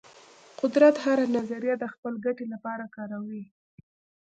قدرت هره نظریه د خپل ګټې لپاره کاروي.